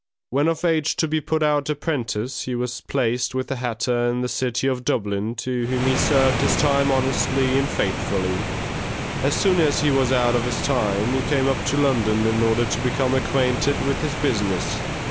When of age to be put out apprentice, he was placed with a hatter in the city of Dublin, to whom he served his time honestly and faithfully; as soon as he was out of his time, he came up to London in order to become acquainted with his business.